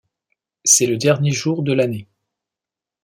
C'est le dernier jour de l'année.